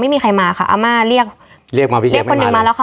ไม่มีใครมาค่ะอาม่าเรียกเรียกมาพี่เรียกคนหนึ่งมาแล้วค่ะ